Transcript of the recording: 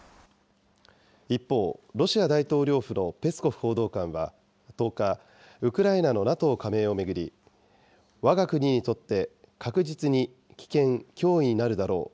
一方、ロシア大統領府のペスコフ報道官は１０日、ウクライナのＮＡＴＯ加盟を巡り、わが国にとって確実に危険、脅威になるだろう。